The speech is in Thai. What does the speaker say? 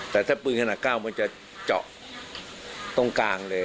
แต่ถ้าปืนขนาด๙มันจะเจาะตรงกลางเลย